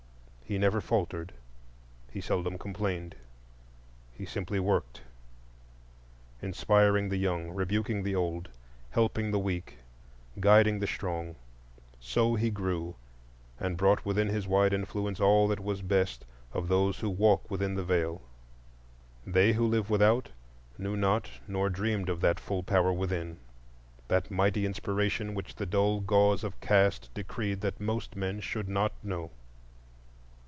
He never faltered, he seldom complained; he simply worked, inspiring the young, rebuking the old, helping the weak, guiding the strong. So he grew, and brought within his wide influence all that was best of those who walk within the Veil. They who live without knew not nor dreamed of that full power within, that mighty inspiration which the dull gauze of caste decreed that most men should not know.